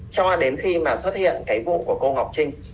cho đến khi mà xuất hiện cái vụ của cô ngọc trinh